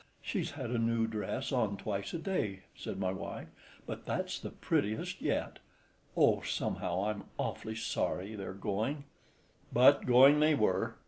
"She's had a new dress on twice a day," said my wife, "but that's the prettiest yet. Oh, somehow—I'm awfully sorry they're going!" But going they were.